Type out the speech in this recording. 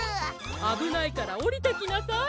あぶないからおりてきなさい。